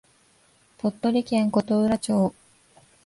鳥取県琴浦町